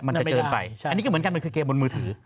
มันจะเจินไปอันนี้ก็เหมือนกัน